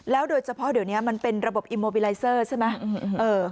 แล้วโดยเฉพาะเดี๋ยวเนี้ยมันเป็นระบบใช่ไหมอืมเออ